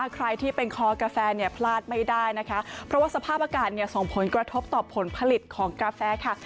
ใครที่เป็นคอกาแฟเนี่ยพลาดไม่ได้นะคะเพราะว่าสภาพอากาศเนี่ยส่งผลกระทบต่อผลผลิตของกาแฟค่ะ